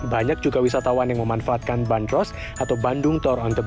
banyak juga wisatawan yang memanfaatkan bandros atau bandung tour on the best